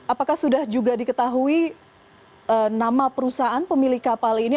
apakah sudah juga diketahui nama perusahaan pemilik kapal ini